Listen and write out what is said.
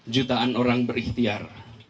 jutaan orang berikhtiar